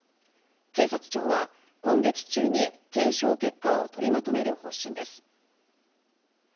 警察庁は、今月中に検証結果を取りまとめる方針です。